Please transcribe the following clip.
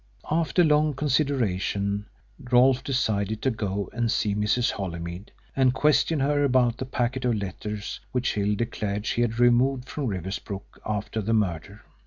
After long consideration, Rolfe decided to go and see Mrs. Holymead and question her about the packet of letters which Hill declared she had removed from Riversbrook after the murder.